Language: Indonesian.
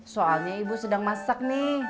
soalnya ibu sedang masak nih